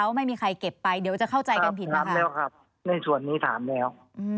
ไม่มีใครเก็บไปเดี๋ยวจะเข้าใจกันผิดถามแล้วครับในส่วนนี้ถามแล้ว